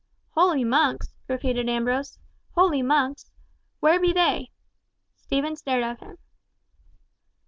"Holy monks!" repeated Ambrose. "Holy monks! Where be they?" Stephen stared at him.